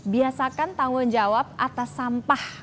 biasakan tanggung jawab atas sampah